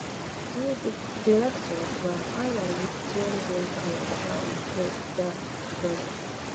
Two directors were finally chosen to helm the project.